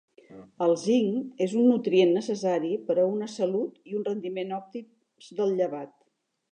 El zinc és un nutrient necessari per a una salut i un rendiment òptims del llevat.